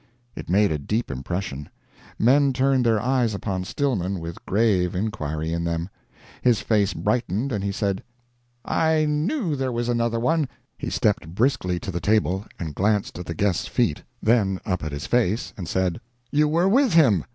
It made a deep impression. Men turned their eyes upon Stillman with grave inquiry in them. His face brightened, and he said, "I knew there was another one!" He stepped briskly to the table and glanced at the guest's feet, then up at his face, and said: "You were with him!